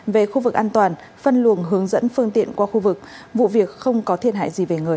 về khu vực an toàn phân luồng hướng dẫn phương tiện qua khu vực vụ việc không có thiệt hại gì về người